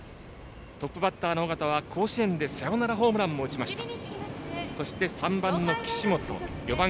トップバッターの緒方は甲子園でサヨナラホームランを打ちました。